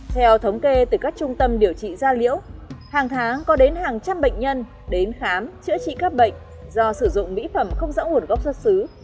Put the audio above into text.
theo thống kê từ các trung tâm điều trị gia liễu hàng tháng có đến hàng trăm bệnh nhân đến khám chữa trị các bệnh do sử dụng mỹ phẩm không rõ nguồn gốc xuất xứ